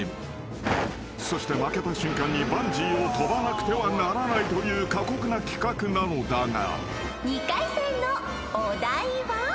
［そして負けた瞬間にバンジーをとばなくてはならないという過酷な企画なのだが］